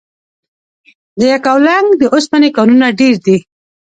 د یکاولنګ د اوسپنې کانونه ډیر دي؟